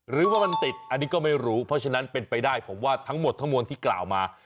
หรือว่ามันติดอันนี้ก็ไม่รู้เพราะฉะนั้นเป็นไปได้ผมว่าทั้งหมดทั้งมวลที่กล่าวมา